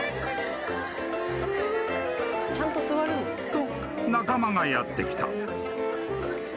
［と仲間がやって来た］